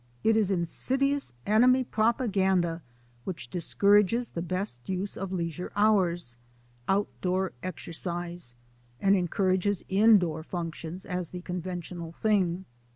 It is insidious enemy propaganda which discourages the best use of leisure hours— outdoor exercise— and encourages indoor functions as the conventional thing.